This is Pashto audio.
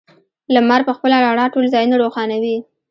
لمر په خپله رڼا ټول ځایونه روښانوي.